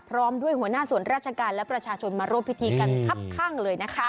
พร้อมด้วยหัวหน้าส่วนราชการและประชาชนมาร่วมพิธีกันครับข้างเลยนะคะ